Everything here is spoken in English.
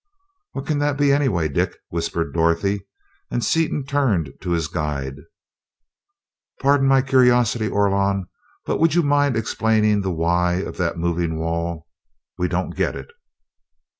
"What can that be, anyway, Dick?" whispered Dorothy, and Seaton turned to his guide. "Pardon my curiosity, Orlon, but would you mind explaining the why of that moving wall? We don't get it."